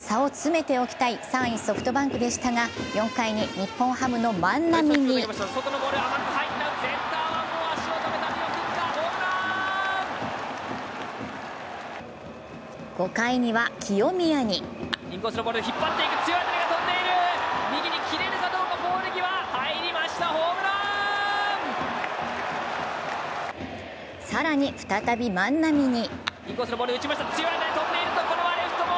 ホームで首位との差を詰めておきたい３位・ソフトバンクでしたが４回に日本ハムの万波に５回には清宮に更に再び万波に。